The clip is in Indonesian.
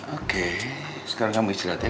oke sekarang kamu istirahat ya